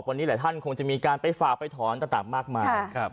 วันนี้หลายท่านคงจะไปฝากจะธรหน้าต่างมากมาย